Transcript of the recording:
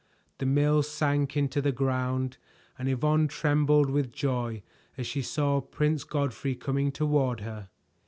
The mill sank into the ground, and Yvonne trembled with joy as she saw Prince Godfrey coming toward her.